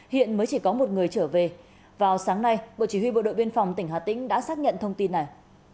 hiện mới chỉ có một người trở về vào sáng nay bộ chỉ huy bộ đội biên phòng tỉnh hà tĩnh đã xác nhận thông tin này